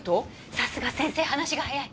さすが先生話が早い。